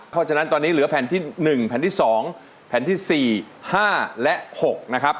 เพราะฉะนั้นตอนนี้เหลือแผ่นที่๑แผ่นที่๒แผ่นที่๔๕และ๖นะครับ